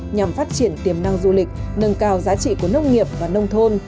nhằm phát triển tiềm năng du lịch nâng cao giá trị của nông nghiệp và nông thôn